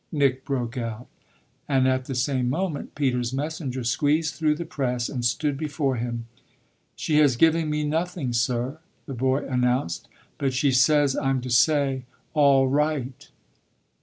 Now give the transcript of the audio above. Nick broke out; and at the same moment Peter's messenger squeezed through the press and stood before him. "She has given me nothing, sir," the boy announced; "but she says I'm to say 'All right!'"